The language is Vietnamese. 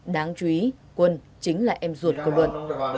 đáng chú ý quân chính là em ruột của luận